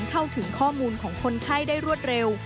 เข้าถึงข้อมูลของคนไข้ได้รวดเร็ว